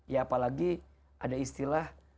ya apalagi ada istilah